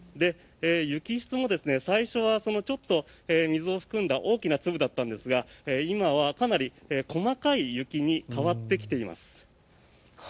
雪質も最初はちょっと水を含んだ大きな粒だったんですが今はかなり細かい雪に変わってきています。